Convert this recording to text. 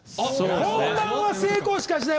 本番は成功しかしない。